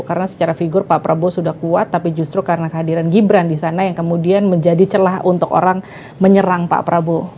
karena secara figur pak prabowo sudah kuat tapi justru karena kehadiran gibran di sana yang kemudian menjadi celah untuk orang menyerang pak prabowo